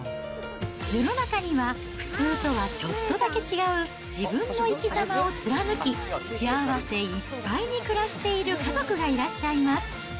世の中には普通とはちょっとだけ違う、自分の生きざまを貫き、幸せいっぱいに暮らしている家族がいらっしゃいます。